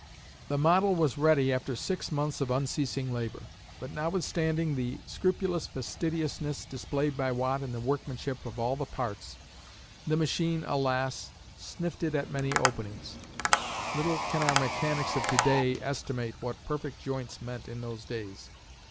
The model was ready after six months of unceasing labor, but notwithstanding the scrupulous fastidiousness displayed by Watt in the workmanship of all the parts, the machine, alas, "snifted at many openings." Little can our mechanics of to day estimate what "perfect joints" meant in those days.